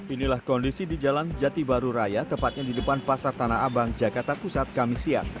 inilah kondisi di jalan jati baru raya tepatnya di depan pasar tanah abang jakarta pusat kami siang